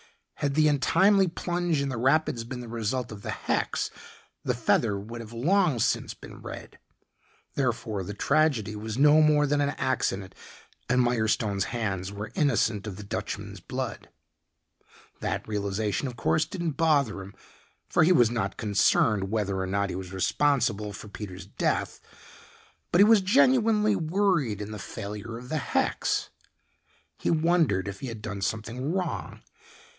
Had the untimely plunge in the rapids been the result of the hex the feather would have long since been red, therefore, the tragedy was no more than an accident and Mirestone's hands were innocent of the Dutchman's blood. That realization, of course, didn't bother him, for he was not concerned whether or not he was responsible for Peter's death, but he was genuinely worried in the failure of the hex. He wondered if he had done something wrong.